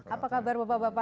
apa kabar bapak bapak